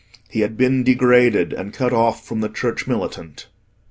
He had been degraded, and cut off from the Church Militant.